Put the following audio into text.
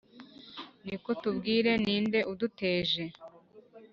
Niko tubwire ni nde uduteje